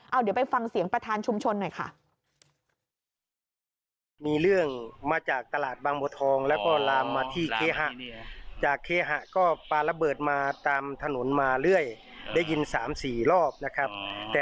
เอาเดี๋ยวไปฟังเสียงประธานชุมชนหน่อยค่ะ